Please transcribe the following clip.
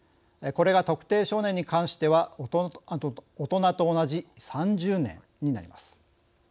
これが、特定少年に関しては大人と同じ３０年になります。